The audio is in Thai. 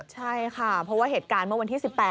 ใช่ค่ะเพราะว่าเหตุการณ์เมื่อวันที่๑๘